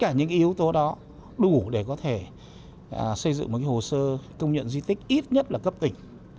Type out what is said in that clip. thì tất cả những yếu tố đó đủ để có thể xây dựng một hồ sơ công nhận di tích ít nhất là cấp tỉnh